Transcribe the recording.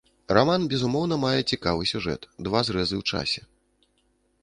Раман безумоўна мае цікавы сюжэт, два зрэзы ў часе.